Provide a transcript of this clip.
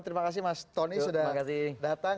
terima kasih mas tony sudah datang